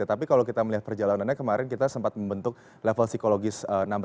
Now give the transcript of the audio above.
tapi kalau kita melihat perjalanannya kemarin kita sempat membentuk level psikologis enam belas